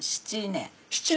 ７年。